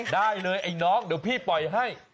ได้เลยไอ้น้องเดี๋ยวพี่ปล่อยให้